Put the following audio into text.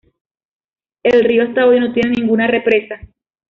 El río, hasta hoy, no tiene ninguna represa.